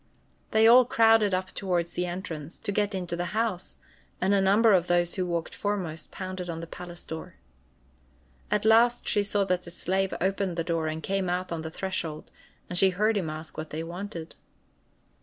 They all crowded up towards the entrance, to get into the house; and a number of those who walked foremost pounded on the palace door. At last she saw that a slave opened the door and came out on the threshold, and she heard him ask what they wanted.